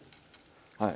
はい。